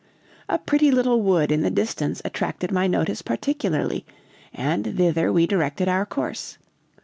"A pretty little wood in the distance attracted my notice particularly, and thither we directed our course.